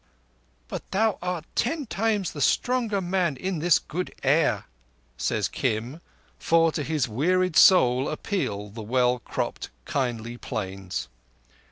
"But thou art ten times the stronger man in this good air," says Kim, for to his wearied soul appeal the well cropped, kindly Plains.